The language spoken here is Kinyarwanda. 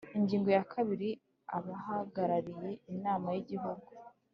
Ingingo ya kabiri Abahagarariye Inama y Igihugu